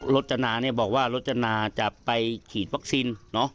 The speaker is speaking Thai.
รจนาบอกว่ารจนาจะไปขีดวัคซีน